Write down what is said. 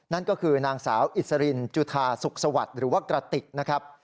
นั่นก็คือนางสาวอิสรินจุธาสุขสวัสดิ์หรือว่ากระติกนะครับ